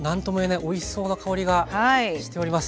おいしそうな香りがしております。